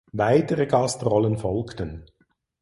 Weitere Gastrollen folgten.